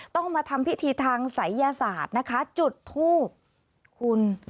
ต้องมาทำพิธีทางศัยยศาสตร์นะคะจุดทูบคุณ